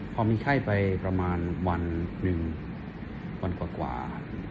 พอมีไข้ไปประมาณวันหนึ่งวันกว่า